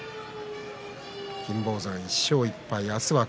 金峰山１勝１敗です。